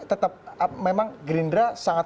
tetap memang gerindra sangat